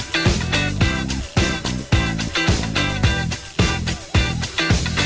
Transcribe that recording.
ขอบคุณครับ